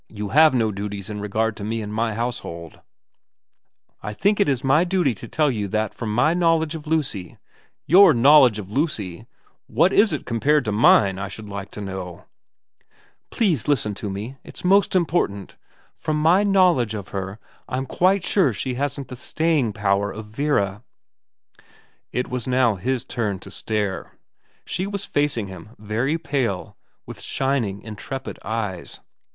You have no duties in regard to me and my household.' * I think it my duty to tell you that from my know ledge of Lucy '' Your knowledge of Lucy ! What is it compared to mine, I should like to know ?'' Please listen to me. It's most important. From my knowledge of her, I'm quite sure she hasn't the staying power of Vera.' It was now his turn to stare. She was facing him, very pale, with shining, intrepid eyes.